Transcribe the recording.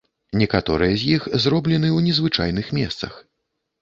Некаторыя з іх зроблены ў незвычайных месцах.